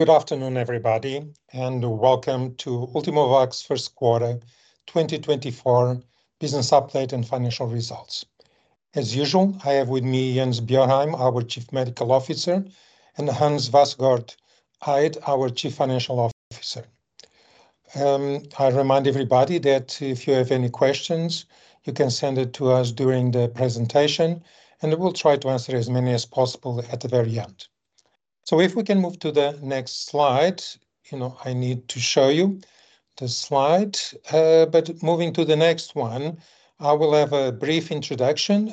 Good afternoon, everybody, and welcome to Ultimovacs first quarter 2024 business update and financial results. As usual, I have with me Jens Bjørheim, our Chief Medical Officer, and Hans Vassgård Eid, our Chief Financial Officer. I remind everybody that if you have any questions, you can send it to us during the presentation, and we'll try to answer as many as possible at the very end. So if we can move to the next slide, you know, I need to show you the slide. But moving to the next one, I will have a brief introduction.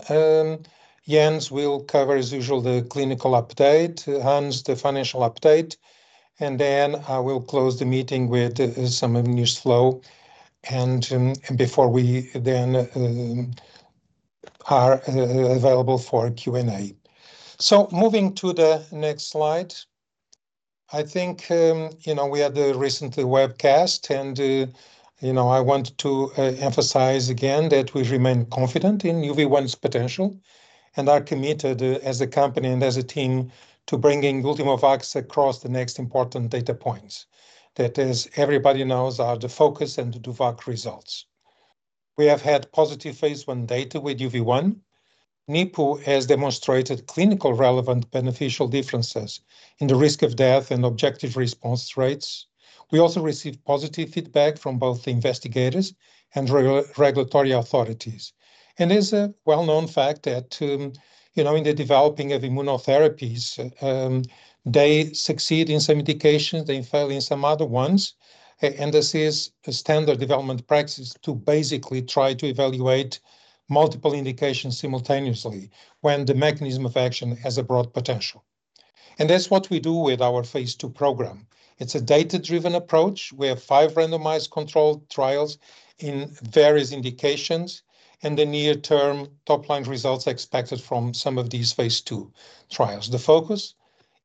Jens will cover, as usual, the clinical update, Hans, the financial update, and then I will close the meeting with some new news and before we then are available for Q&A. So moving to the next slide, I think, you know, we had a recent webcast, and, you know, I want to emphasize again that we remain confident in UV1's potential, and are committed as a company and as a team to bringing Ultimovacs across the next important data points. That is, everybody knows are the FOCUS and the DOVACC results. We have had positive phase I data with UV1. NIPU has demonstrated clinically relevant beneficial differences in the risk of death and objective response rates. We also received positive feedback from both the investigators and regulatory authorities. And it's a well-known fact that, you know, in the developing of immunotherapies, they succeed in some indications, they fail in some other ones. This is a standard development practice to basically try to evaluate multiple indications simultaneously when the mechanism of action has a broad potential, and that's what we do with our phase II program. It's a data-driven approach. We have five randomized controlled trials in various indications, and the near term top-line results are expected from some of these phase II trials. The FOCUS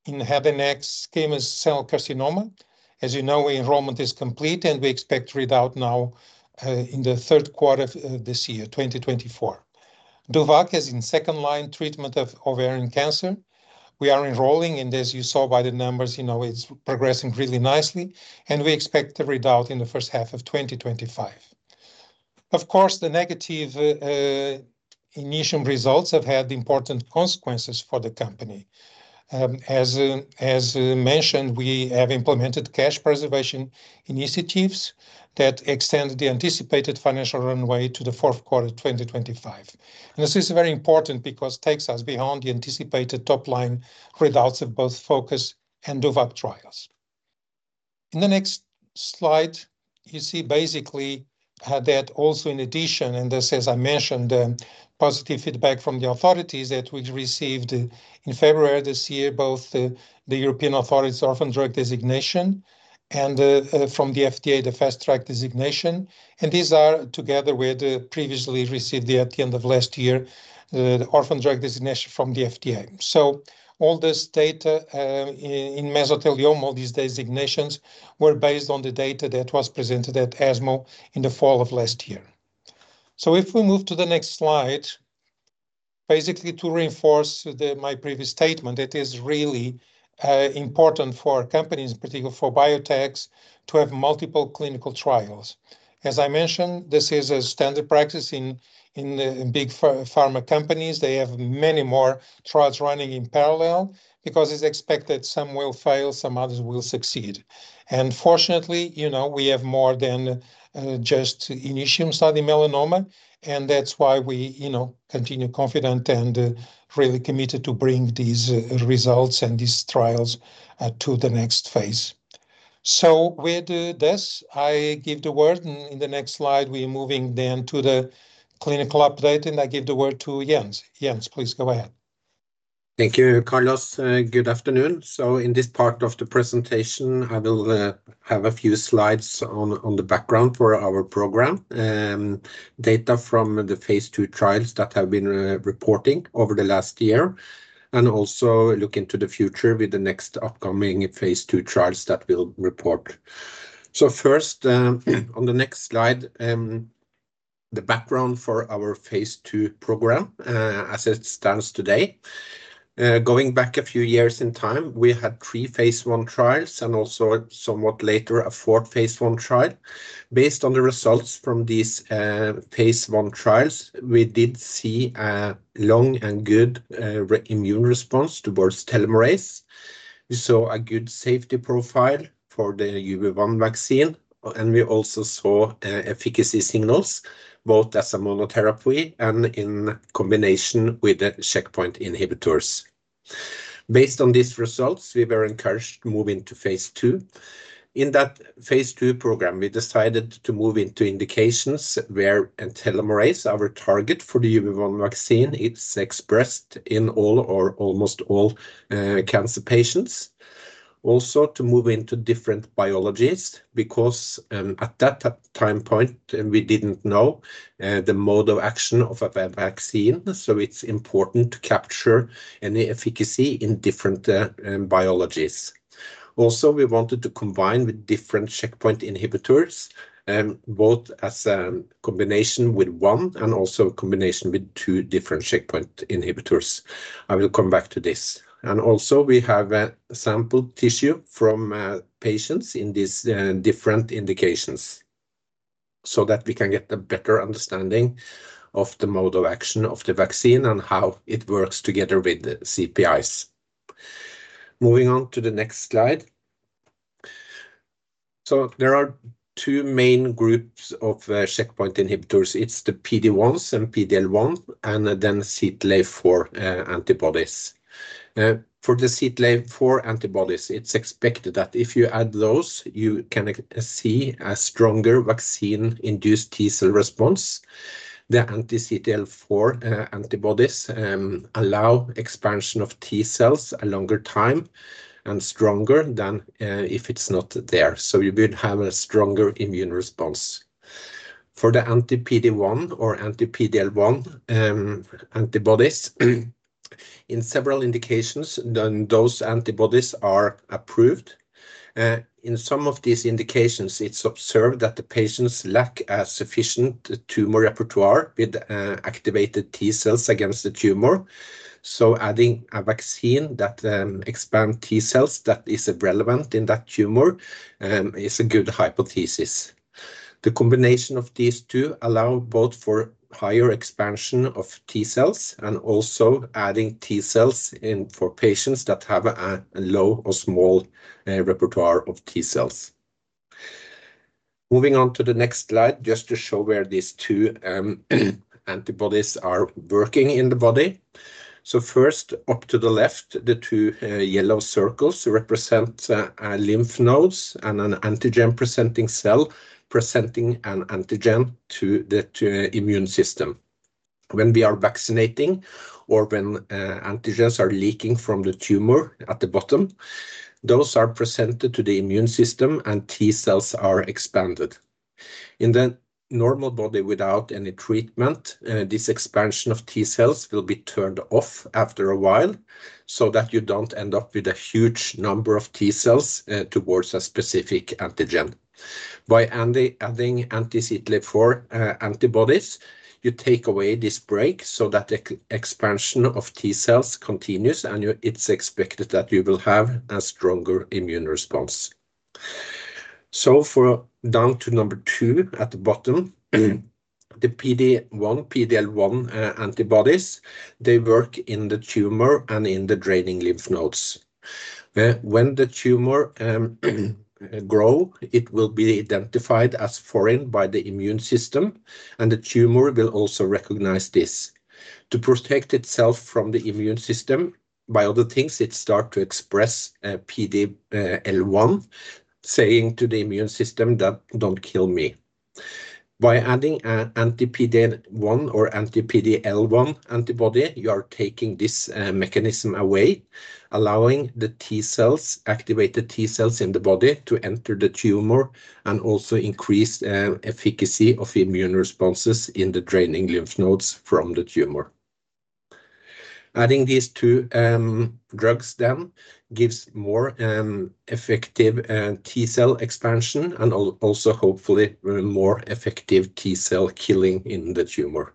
in head and neck squamous cell carcinoma. As you know, enrollment is complete, and we expect readout now in the third quarter of this year, 2024. DOVACC is in second-line treatment of ovarian cancer. We are enrolling, and as you saw by the numbers, you know, it's progressing really nicely, and we expect the readout in the first half of 2025. Of course, the negative INITIUM results have had important consequences for the company. As mentioned, we have implemented cash preservation initiatives that extend the anticipated financial runway to the fourth quarter of 2025. This is very important because takes us beyond the anticipated top-line readouts of both FOCUS and DOVACC trials. In the next slide, you see basically that also in addition, and this, as I mentioned, positive feedback from the authorities that we received in February this year, both the European Authority's Orphan Drug Designation and from the FDA, the Fast Track Designation. These are together with the previously received at the end of last year, the Orphan Drug Designation from the FDA. All this data in mesothelioma, these designations were based on the data that was presented at ESMO in the fall of last year. So if we move to the next slide, basically, to reinforce my previous statement, it is really important for companies, in particular for biotechs, to have multiple clinical trials. As I mentioned, this is a standard practice in big pharma companies. They have many more trials running in parallel because it is expected some will fail, some others will succeed. And fortunately, you know, we have more than just INITIUM study melanoma, and that is why we, you know, continue confident and really committed to bring these results and these trials to the next phase. So with this, I give the word, and in the next slide, we are moving then to the clinical update, and I give the word to Jens. Jens, please go ahead. Thank you, Carlos. Good afternoon. So in this part of the presentation, I will have a few slides on the background for our program, data from the phase II trials that have been reporting over the last year, and also look into the future with the next upcoming phase II trials that we'll report. So first, on the next slide, the background for our phase II program, as it stands today. Going back a few years in time, we had three phase I trials, and also somewhat later, a fourth phase I trial. Based on the results from these phase I trials, we did see a long and good immune response towards telomerase. We saw a good safety profile for the UV1 vaccine, and we also saw efficacy signals, both as a monotherapy and in combination with the checkpoint inhibitors. Based on these results, we were encouraged to move into phase II. In that phase II program, we decided to move into indications where and telomerase, our target for the UV1 vaccine, it's expressed in all or almost all cancer patients. Also, to move into different biologies, because at that time point, and we didn't know the mode of action of a vaccine, so it's important to capture any efficacy in different biologies. Also, we wanted to combine with different checkpoint inhibitors, both as a combination with one and also a combination with two different checkpoint inhibitors. I will come back to this. Also, we have a sample tissue from patients in these different indications, so that we can get a better understanding of the mode of action of the vaccine and how it works together with the CPIs. Moving on to the next slide. There are two main groups of checkpoint inhibitors. It's the PD-1s and PD-L1, and then CTLA-4 antibodies. For the CTLA-4 antibodies, it's expected that if you add those, you can see a stronger vaccine-induced T cell response. The anti-CTLA-4 antibodies allow expansion of T cells a longer time and stronger than if it's not there. So you will have a stronger immune response. For the anti-PD-1 or anti-PD-L1 antibodies, in several indications, then those antibodies are approved. In some of these indications, it's observed that the patients lack a sufficient tumor repertoire with activated T cells against the tumor. So adding a vaccine that expand T cells that is relevant in that tumor is a good hypothesis. The combination of these two allow both for higher expansion of T cells and also adding T cells in for patients that have a low or small repertoire of T cells. Moving on to the next slide, just to show where these two antibodies are working in the body. So first, up to the left, the two yellow circles represent lymph nodes and an antigen-presenting cell presenting an antigen to the immune system. When we are vaccinating or when antigens are leaking from the tumor at the bottom, those are presented to the immune system, and T cells are expanded. In the normal body without any treatment, this expansion of T cells will be turned off after a while, so that you don't end up with a huge number of T cells towards a specific antigen. By adding anti-CTLA-4 antibodies, you take away this break so that the expansion of T cells continues, and it's expected that you will have a stronger immune response. So, down to number two at the bottom, the PD-1, PD-L1 antibodies, they work in the tumor and in the draining lymph nodes. When the tumor grow, it will be identified as foreign by the immune system, and the tumor will also recognize this. To protect itself from the immune system, by other things, it start to express PD-L1, saying to the immune system that, "Don't kill me." By adding anti-PD-L1 or anti-PD-L1 antibody, you are taking this mechanism away, allowing the T cells, activate the T cells in the body to enter the tumor and also increase efficacy of immune responses in the draining lymph nodes from the tumor. Adding these two drugs then gives more effective T cell expansion and also, hopefully, more effective T cell killing in the tumor.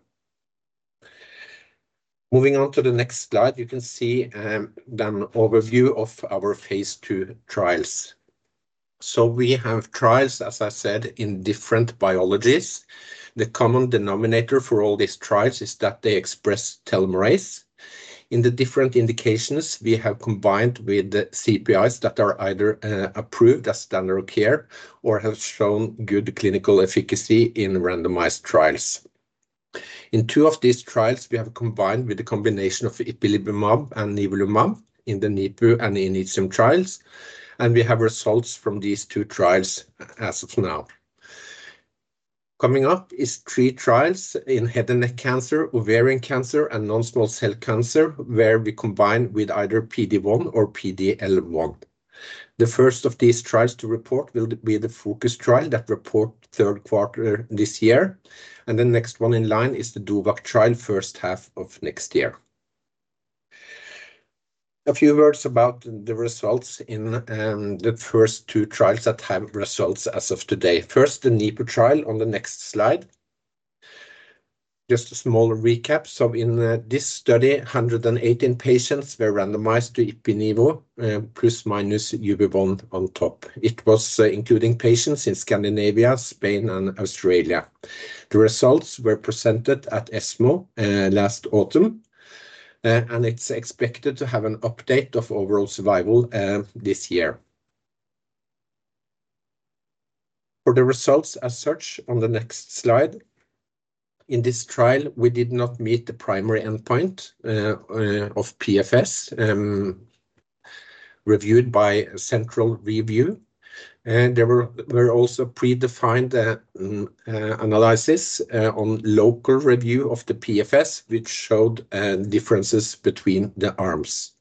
Moving on to the next slide, you can see the overview of our phase II trials. So we have trials, as I said, in different biologies. The common denominator for all these trials is that they express telomerase. In the different indications, we have combined with the CPIs that are either approved as standard of care or have shown good clinical efficacy in randomized trials. In two of these trials, we have combined with the combination of ipilimumab and nivolumab in the NIPU and INITIUM trials, and we have results from these two trials as of now. Coming up is three trials in head and neck cancer, ovarian cancer, and non-small cell cancer, where we combine with either PD-1 or PD-L1. The first of these trials to report will be the FOCUS trial, that report third quarter this year, and the next one in line is the DOVACC trial, first half of next year. A few words about the results in the first two trials that have results as of today. First, the NIPU trial on the next slide. Just a small recap. So in this study, 118 patients were randomized to ipi/nivo plus minus UV1 on top. It was including patients in Scandinavia, Spain, and Australia. The results were presented at ESMO last autumn, and it's expected to have an update of overall survival this year. For the results, as such, on the next slide, in this trial, we did not meet the primary endpoint of PFS reviewed by central review. There were also predefined analysis on local review of the PFS, which showed differences between the arms.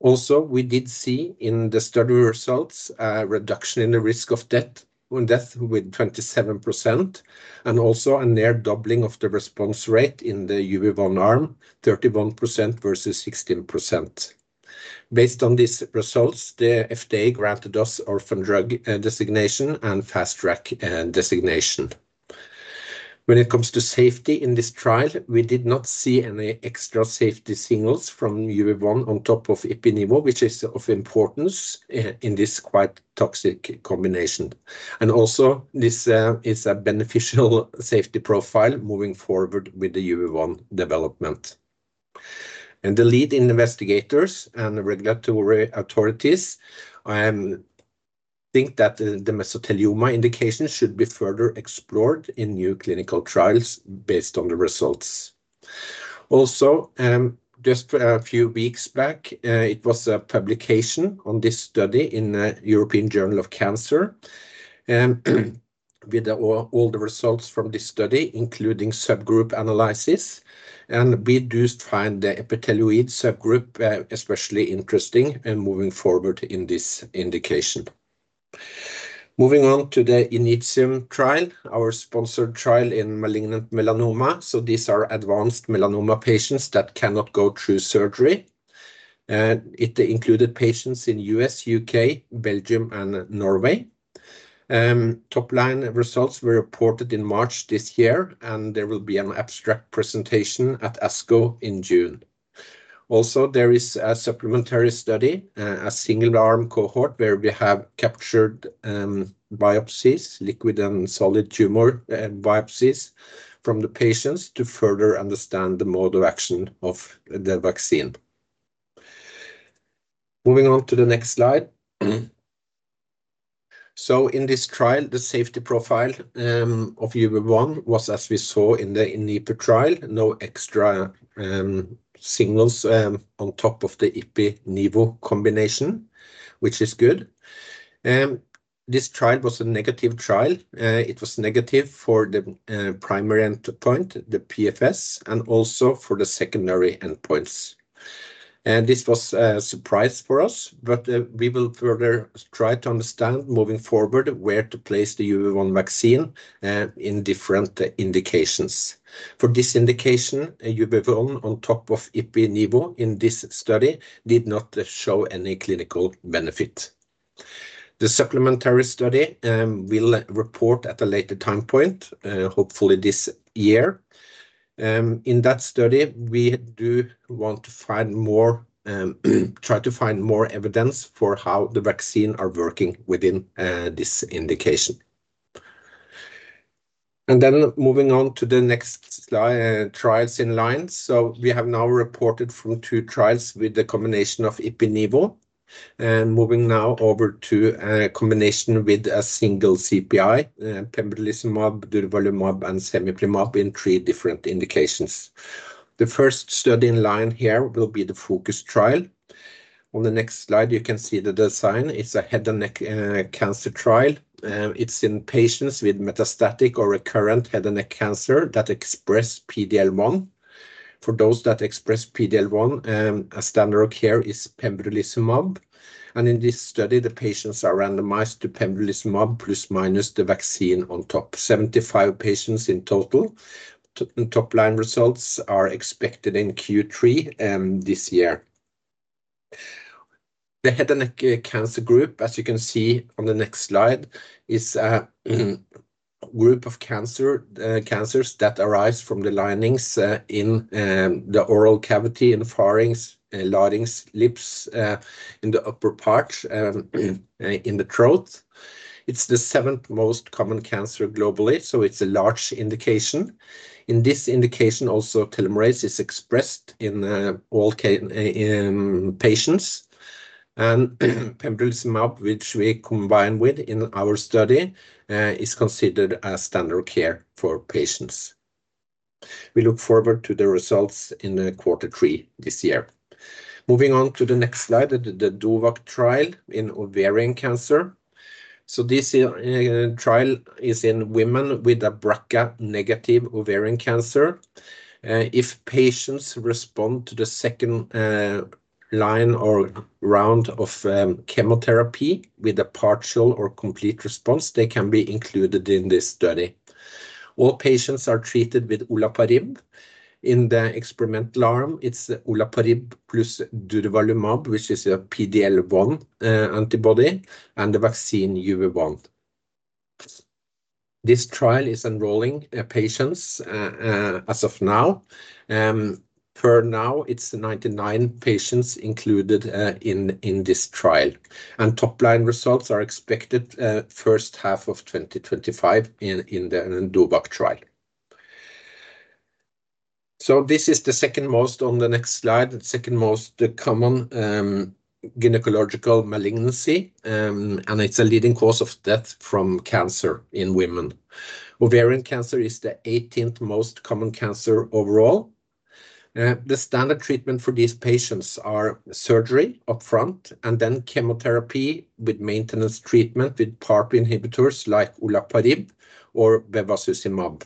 Also, we did see in the study results, a reduction in the risk of death, on death with 27%, and also a near doubling of the response rate in the UV1 arm, 31% versus 16%. Based on these results, the FDA granted us Orphan Drug designation and Fast Track designation. When it comes to safety in this trial, we did not see any extra safety signals from UV1 on top of Ipi/Nivo, which is of importance in this quite toxic combination. And also, this is a beneficial safety profile moving forward with the UV1 development. And the lead investigators and the regulatory authorities think that the mesothelioma indications should be further explored in new clinical trials based on the results. Also, just a few weeks back, it was a publication on this study in the European Journal of Cancer with all the results from this study, including subgroup analysis. And we do find the epithelioid subgroup especially interesting in moving forward in this indication. Moving on to the INITIUM trial, our sponsored trial in malignant melanoma. So these are advanced melanoma patients that cannot go through surgery. It included patients in U.S., U.K., Belgium, and Norway. Top line results were reported in March this year, and there will be an abstract presentation at ASCO in June. Also, there is a supplementary study, a single arm cohort, where we have captured biopsies, liquid and solid tumor biopsies from the patients to further understand the mode of action of the vaccine. Moving on to the next slide. So in this trial, the safety profile of UV1 was as we saw in the NIPU trial, no extra signals on top of the Ipi/Nivo combination, which is good. This trial was a negative trial. It was negative for the primary endpoint, the PFS, and also for the secondary endpoints. This was a surprise for us, but we will further try to understand moving forward, where to place the UV1 vaccine in different indications. For this indication, UV1 on top of Ipi/Nivo in this study did not show any clinical benefit. The supplementary study, we'll report at a later time point, hopefully this year. In that study, we do want to find more, try to find more evidence for how the vaccine are working within this indication. Then moving on to the next slide, trials in line. So we have now reported from two trials with the combination of Ipi/Nivo, and moving now over to a combination with a single CPI, pembrolizumab, durvalumab, and cemiplimab in three different indications. The first study in line here will be the FOCUS trial. On the next slide, you can see the design. It's a head and neck cancer trial. It's in patients with metastatic or recurrent head and neck cancer that express PD-L1. For those that express PD-L1, a standard of care is pembrolizumab. And in this study, the patients are randomized to pembrolizumab plus minus the vaccine on top, 75 patients in total. Top line results are expected in Q3 this year. The head and neck cancer group, as you can see on the next slide, is a group of cancers that arise from the linings in the oral cavity and pharynx, larynx, lips, in the upper parts in the throat. It's the seventh most common cancer globally, so it's a large indication. In this indication, also, telomerase is expressed in all patients. And pembrolizumab, which we combine with in our study, is considered a standard care for patients. We look forward to the results in the quarter three this year. Moving on to the next slide, the DOVACC trial in ovarian cancer. So this trial is in women with a BRCA negative ovarian cancer. If patients respond to the second line or round of chemotherapy with a partial or complete response, they can be included in this study. All patients are treated with olaparib. In the experimental arm, it's olaparib plus durvalumab, which is a PD-L1 antibody, and the vaccine UV1. This trial is enrolling patients as of now. For now, it's 99 patients included in this trial, and top line results are expected first half of 2025 in the DOVACC trial. So this is the second most on the next slide, the second most common gynecological malignancy, and it's a leading cause of death from cancer in women. Ovarian cancer is the 18th most common cancer overall. The standard treatment for these patients are surgery upfront, and then chemotherapy with maintenance treatment with PARP inhibitors like olaparib or bevacizumab.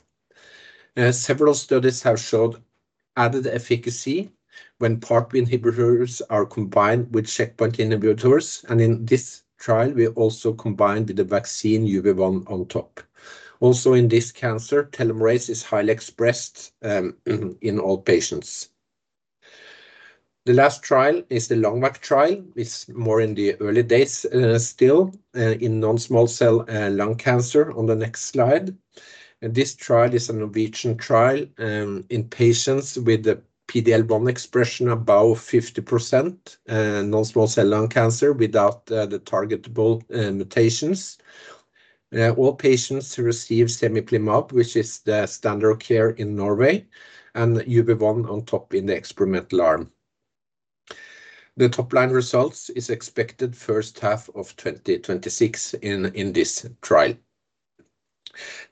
Several studies have showed added efficacy when PARP inhibitors are combined with checkpoint inhibitors, and in this trial, we also combined with the vaccine UV1 on top. Also, in this cancer, telomerase is highly expressed in all patients. The last trial is the LUNGVAC trial. It's more in the early days, still, in non-small cell lung cancer on the next slide. This trial is a Norwegian trial in patients with the PD-L1 expression above 50%, non-small cell lung cancer without the targetable mutations. All patients receive cemiplimab, which is the standard of care in Norway, and UV1 on top in the experimental arm. The top line results is expected first half of 2026 in this trial.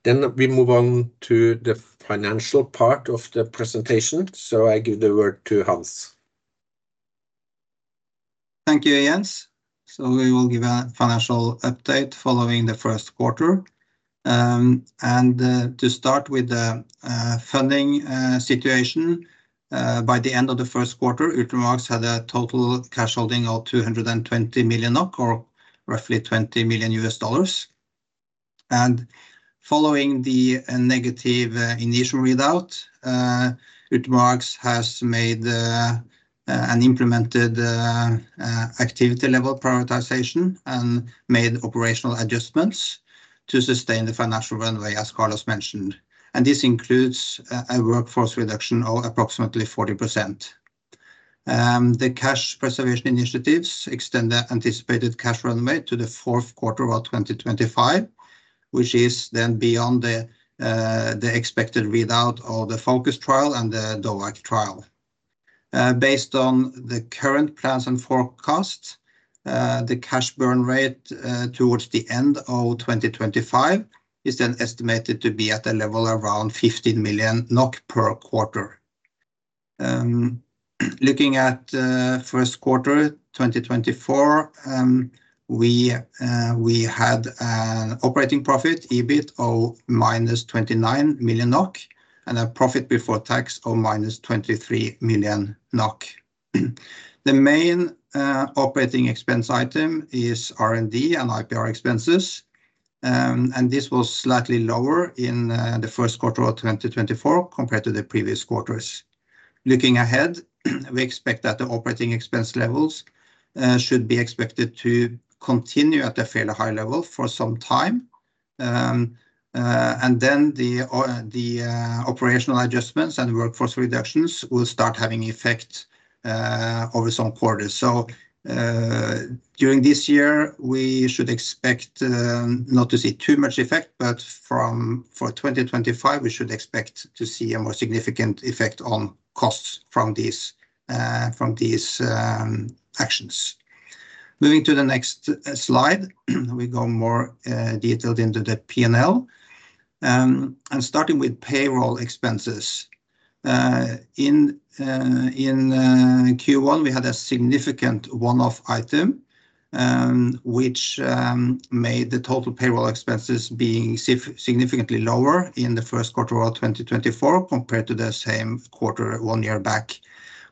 We move on to the financial part of the presentation. I give the word to Hans. Thank you, Jens. We will give a financial update following the first quarter. To start with the funding situation, by the end of the first quarter, Ultimovacs had a total cash holding of 220 million NOK, or roughly $20 million. Following the negative initial readout, Ultimovacs has made and implemented activity level prioritization and made operational adjustments to sustain the financial runway, as Carlos mentioned, and this includes a workforce reduction of approximately 40%. The cash preservation initiatives extend the anticipated cash runway to the fourth quarter of 2025, which is then beyond the expected readout of the FOCUS trial and the DOVACC trial. Based on the current plans and forecasts, the cash burn rate towards the end of 2025 is then estimated to be at a level around 15 million NOK per quarter. Looking at first quarter 2024, we had an operating profit, EBIT of minus 29 million NOK, and a profit before tax of minus 23 million NOK. The main operating expense item is R&D and IPR expenses. This was slightly lower in the first quarter of 2024 compared to the previous quarters. Looking ahead, we expect that the operating expense levels should be expected to continue at a fairly high level for some time. Then the operational adjustments and workforce reductions will start having effect over some quarters. During this year, we should expect not to see too much effect, but for 2025, we should expect to see a more significant effect on costs from these, from these, actions. Moving to the next slide, we go more detailed into the P&L. Starting with payroll expenses. In Q1, we had a significant one-off item, which made the total payroll expenses being significantly lower in the first quarter of 2024 compared to the same quarter one year back.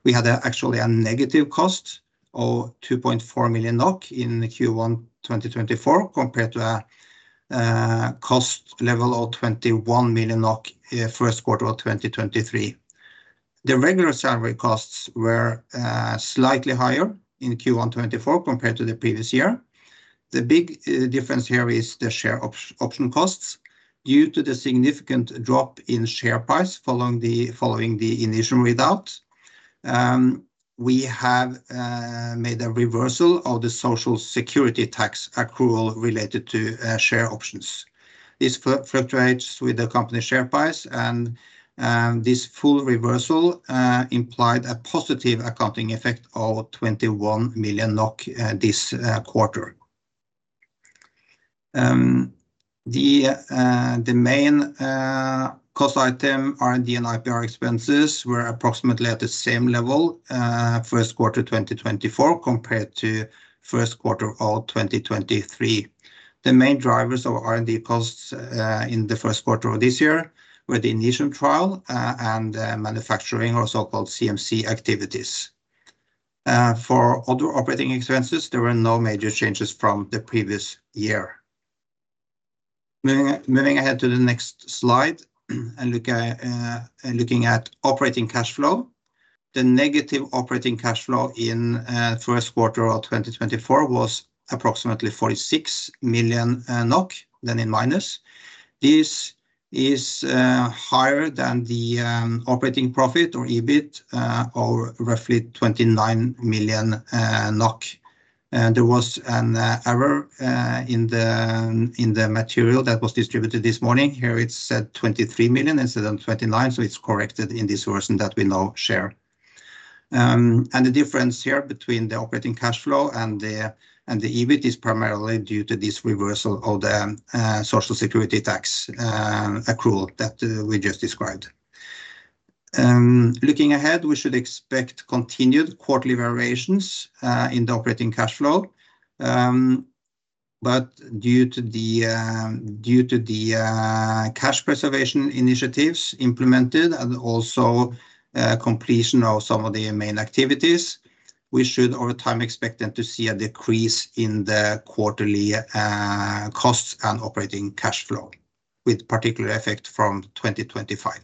We had actually a negative cost of 2.4 million NOK in Q1 2024, compared to a cost level of 21 million NOK in first quarter of 2023. The regular salary costs were slightly higher in Q1 2024 compared to the previous year. The big difference here is the share option costs. Due to the significant drop in share price following the initial readout, we have made a reversal of the social security tax accrual related to share options. This fluctuates with the company share price, and this full reversal implied a positive accounting effect of 21 million NOK this quarter. The main cost item, R&D and IPR expenses, were approximately at the same level first quarter 2024 compared to first quarter of 2023. The main drivers of R&D costs in the first quarter of this year were the initial trial and manufacturing or so-called CMC activities. For other operating expenses, there were no major changes from the previous year. Moving ahead to the next slide, and looking at operating cash flow. The negative operating cash flow in first quarter of 2024 was approximately 46 million NOK, then in minus. This is higher than the operating profit or EBIT, or roughly 29 million NOK. There was an error in the material that was distributed this morning. Here it said 23 million instead of 29, so it's corrected in this version that we now share. And the difference here between the operating cash flow and the EBIT is primarily due to this reversal of the social security tax accrual that we just described. Looking ahead, we should expect continued quarterly variations in the operating cash flow. But due to the cash preservation initiatives implemented and also completion of some of the main activities, we should over time expect then to see a decrease in the quarterly costs and operating cash flow, with particular effect from 2025.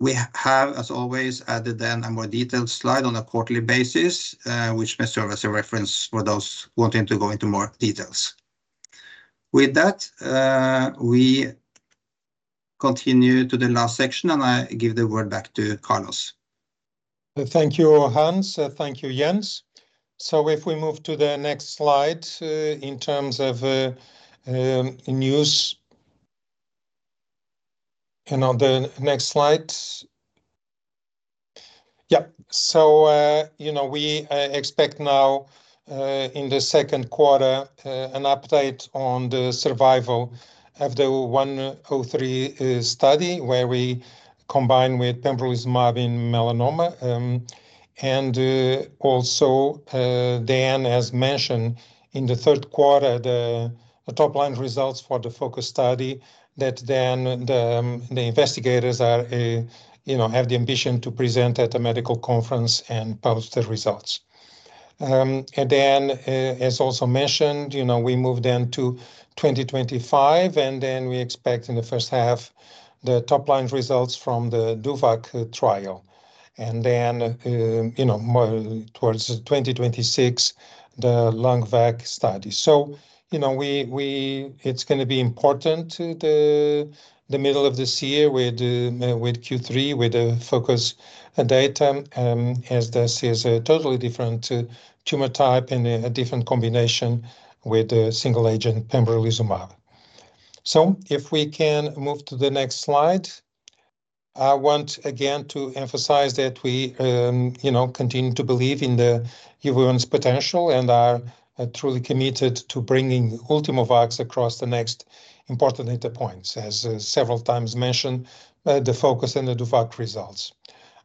We have, as always, added then a more detailed slide on a quarterly basis, which may serve as a reference for those wanting to go into more details. With that, we continue to the last section, and I give the word back to Carlos. Thank you, Hans. Thank you, Jens. So if we move to the next slide, in terms of news. On the next slide. So, you know, we expect now, in the second quarter, an update on the survival of the 103 study, where we combine with pembrolizumab in melanoma. And, also, then as mentioned, in the third quarter, the top-line results for the FOCUS study, that the investigators are, you know, have the ambition to present at a medical conference and publish the results. And then, as also mentioned, you know, we move then to 2025, and then we expect in the first half the top-line results from the DOVACC trial, and then, you know, more towards 2026, the LUNGVAC study. So, you know, it's gonna be important to the middle of this year with Q3, with the FOCUS data, as this is a totally different tumor type and a different combination with a single agent, pembrolizumab. So if we can move to the next slide. I want again to emphasize that we, you know, continue to believe in the UV1's potential and are truly committed to bringing Ultimovacs across the next important data points, as several times mentioned, the FOCUS and the DOVACC results.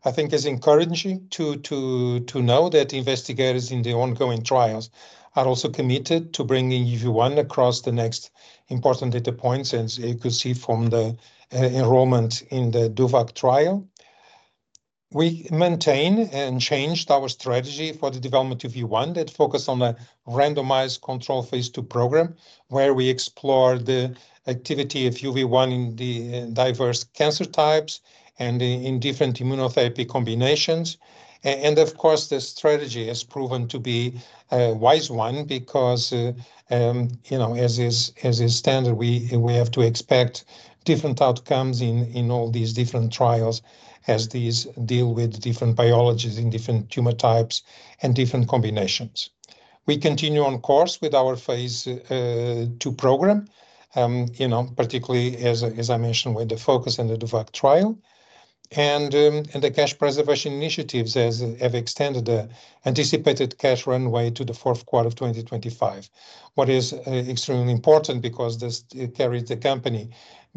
I think it's encouraging to know that investigators in the ongoing trials are also committed to bringing UV1 across the next important data points, as you could see from the enrollment in the DOVACC trial. We maintain and changed our strategy for the development of UV1 that focus on a randomized control phase 2 program, where we explore the activity of UV1 in the diverse cancer types and in different immunotherapy combinations. And of course, this strategy has proven to be a wise one because, you know, as is standard, we have to expect different outcomes in all these different trials, as these deal with different biologies in different tumor types and different combinations. We continue on course with our phase 2 program, you know, particularly as I mentioned, with the FOCUS and the DOVACC trial. And the cash preservation initiatives have extended the anticipated cash runway to the fourth quarter of 2025. What is extremely important because this, it carries the company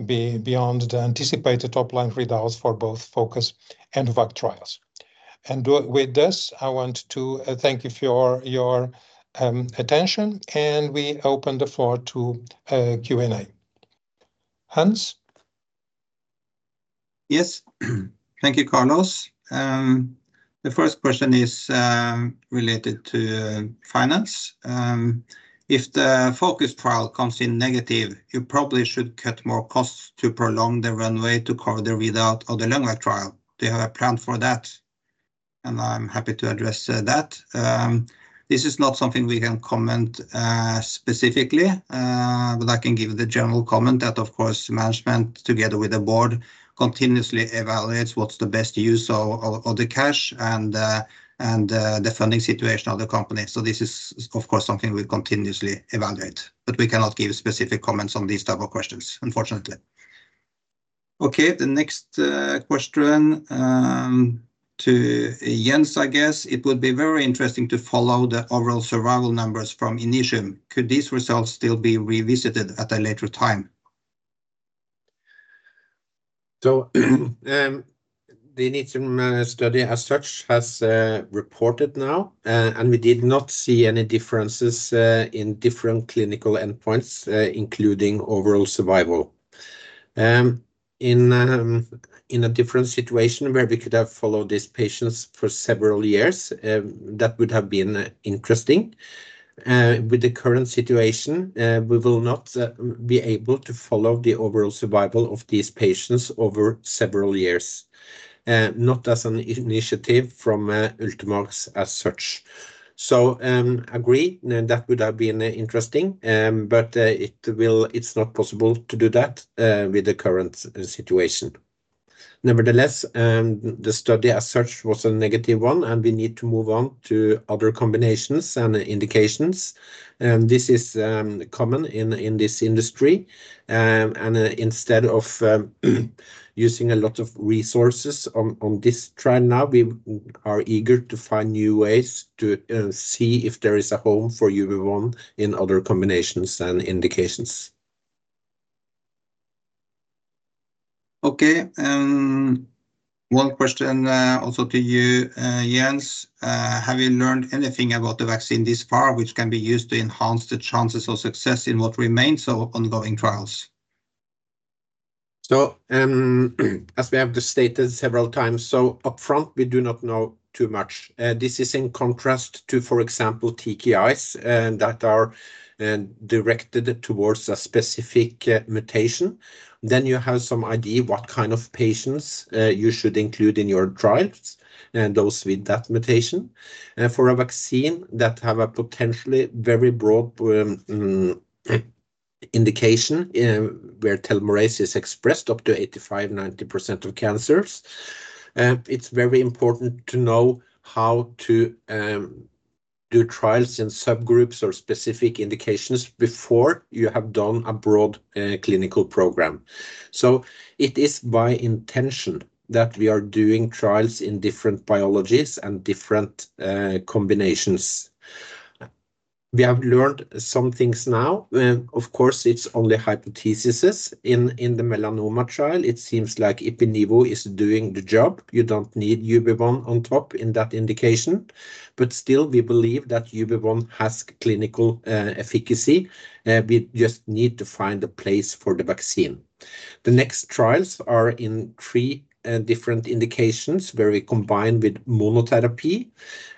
beyond the anticipated top-line readouts for both FOCUS and DOVACC trials. And with this, I want to thank you for your attention, and we open the floor to Q&A. Hans? Yes. Thank you, Carlos. The first question is related to finance: if the FOCUS trial comes in negative, you probably should cut more costs to prolong the runway to cover the readout of the LUNGVAC trial. Do you have a plan for that? And I'm happy to address that. This is not something we can comment specifically, but I can give the general comment that, of course, management, together with the board, continuously evaluates what's the best use of the cash and the funding situation of the company. So this is, of course, something we continuously evaluate, but we cannot give specific comments on these type of questions, unfortunately. Okay, the next question to Jens, I guess. It would be very interesting to follow the overall survival numbers from INITIUM. Could these results still be revisited at a later time? So, the INITIUM study, as such, has reported now, and we did not see any differences in different clinical endpoints, including overall survival. In a different situation where we could have followed these patients for several years, that would have been interesting. With the current situation, we will not be able to follow the overall survival of these patients over several years, not as an initiative from Ultimovacs as such. So, agree, and that would have been interesting, but it will--it's not possible to do that with the current situation. Nevertheless, the study, as such, was a negative one, and we need to move on to other combinations and indications. And this is common in this industry. Instead of using a lot of resources on this trial now, we are eager to find new ways to see if there is a home for UV1 in other combinations and indications. Okay, one question, also to you, Jens. Have you learned anything about the vaccine this far, which can be used to enhance the chances of success in what remains of ongoing trials? ... So, as we have stated several times, so upfront, we do not know too much. This is in contrast to, for example, TKIs that are directed towards a specific mutation. Then you have some idea what kind of patients you should include in your trials, and those with that mutation. For a vaccine that have a potentially very broad indication, where telomerase is expressed up to 85%-90% of cancers, it's very important to know how to do trials in subgroups or specific indications before you have done a broad clinical program. So it is by intention that we are doing trials in different biologies and different combinations. We have learned some things now. Of course, it's only hypotheses. In the melanoma trial, it seems like ipi-nivo is doing the job. You don't need UV1 on top in that indication. But still, we believe that UV1 has clinical efficacy. We just need to find a place for the vaccine. The next trials are in three different indications, where we combine with monotherapy,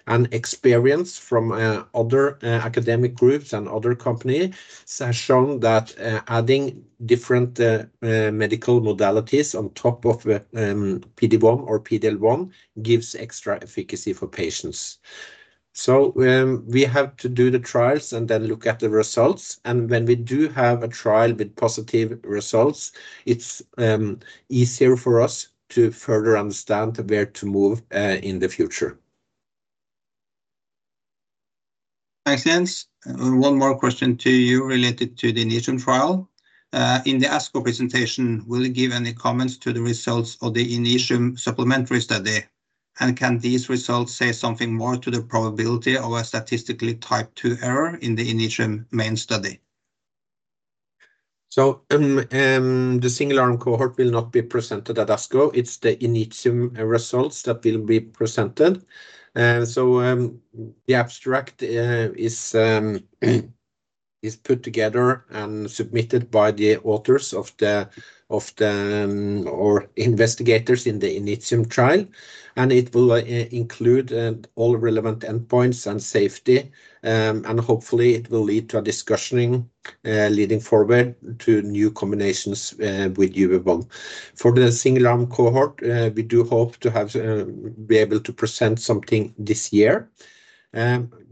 and experience from other academic groups and other companies has shown that adding different medical modalities on top of PD-1 or PD-L1 gives extra efficacy for patients. So, we have to do the trials and then look at the results, and when we do have a trial with positive results, it's easier for us to further understand where to move in the future. Thanks, Jens. One more question to you related to the INITIUM trial. In the ASCO presentation, will you give any comments to the results of the INITIUM supplementary study? And can these results say something more to the probability of a statistically Type II error in the INITIUM main study? So, the single-arm cohort will not be presented at ASCO. It's the INITIUM results that will be presented. So, the abstract is put together and submitted by the authors or investigators in the INITIUM trial, and it will include all relevant endpoints and safety. And hopefully, it will lead to a discussion leading forward to new combinations with UV1. For the single-arm cohort, we do hope to have be able to present something this year.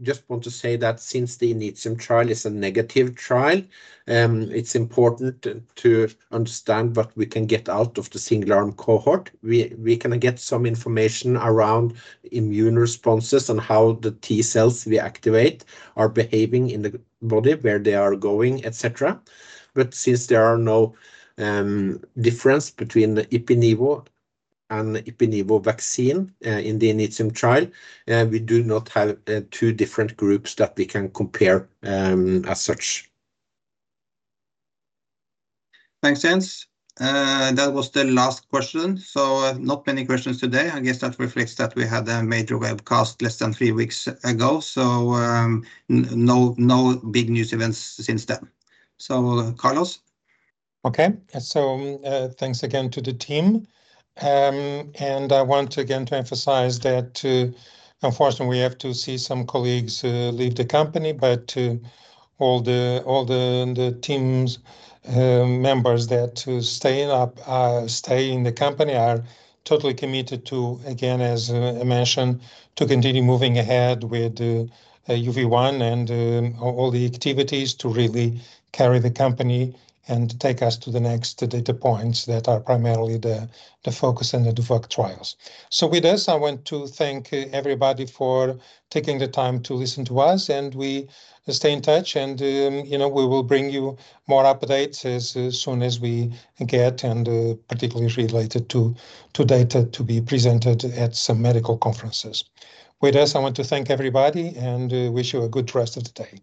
Just want to say that since the INITIUM trial is a negative trial, it's important to understand what we can get out of the single-arm cohort. We can get some information around immune responses and how the T-cells we activate are behaving in the body, where they are going, et cetera. But since there are no difference between the ipi-nivo and ipi-nivo vaccine in the INITIUM trial, we do not have two different groups that we can compare, as such. Thanks, Jens. That was the last question, so not many questions today. I guess that reflects that we had a major webcast less than three weeks ago, so no big news events since then. So, Carlos? Okay. So, thanks again to the team. And I want again to emphasize that, unfortunately, we have to see some colleagues leave the company, but all the teams members that staying up stay in the company are totally committed to, again, as I mentioned, to continue moving ahead with UV1 and all the activities to really carry the company and take us to the next data points that are primarily the focus in the DOVACC trials. So with this, I want to thank everybody for taking the time to listen to us, and we stay in touch, and you know, we will bring you more updates as soon as we get, and particularly related to data to be presented at some medical conferences. With this, I want to thank everybody and wish you a good rest of the day.